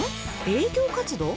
営業活動？